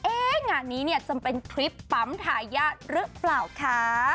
งานนี้เนี่ยจะเป็นทริปปั๊มทายาทหรือเปล่าคะ